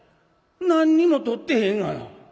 「何にも取ってへんがな」。